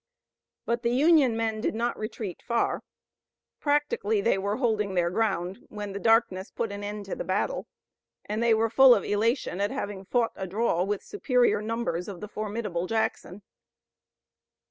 But the Union men did not retreat far. Practically, they were holding their ground, when the darkness put an end to the battle, and they were full of elation at having fought a draw with superior numbers of the formidable Jackson.